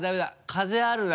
風あるな。